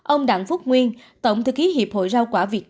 ông đặng phúc nguyên tổng thư ký hiệp hội rau quả việt nam